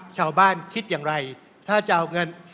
ชาวบ้านคิดอย่างไรถ้าจะเอาเงิน